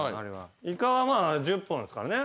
イカは１０本ですからね。